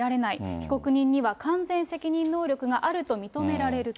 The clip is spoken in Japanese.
被告人には完全責任能力があると認められると。